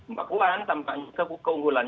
mbak puan tampaknya keunggulan